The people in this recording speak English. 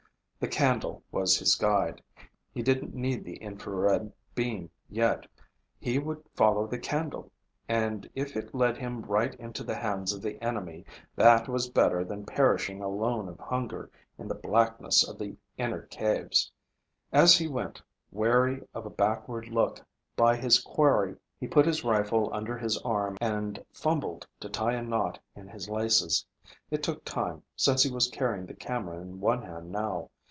The candle was his guide. He didn't need the infrared beam yet. He would follow the candle, and if it led him right into the hands of the enemy, that was better than perishing alone of hunger in the blackness of the inner caves. As he went, wary of a backward look by his quarry, he put his rifle under his arm and fumbled to tie a knot in his laces. It took time, since he was carrying the camera in one hand now.